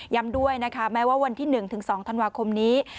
ด้วยนะคะแม้ว่าวันที่๑๒ธันวาคมนี้